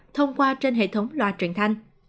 thông qua trên hệ thống loa truyền thanh